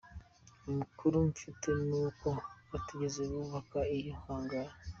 Amakuru mfite n’uko batigeze bubaka iyo « hangar ».